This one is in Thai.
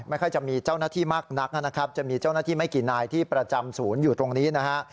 ค่อยจะมีเจ้าหน้าที่มากนักนะครับจะมีเจ้าหน้าที่ไม่กี่นายที่ประจำศูนย์อยู่ตรงนี้นะฮะ